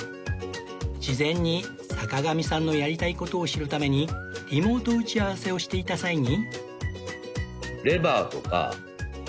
事前に坂上さんのやりたい事を知るためにリモート打ち合わせをしていた際に